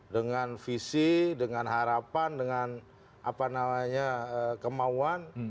dengan visi dengan harapan dengan kemauan